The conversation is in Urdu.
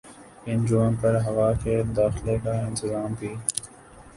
ان جگہوں پر ہوا کے داخلے کا انتظام بھی